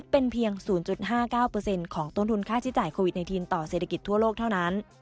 เป็นเพียง๐๕๙ของต้นทุนค่าใช้จ่ายโควิด๑๙ต่อเศรษฐกิจทั่วโลกเท่านั้น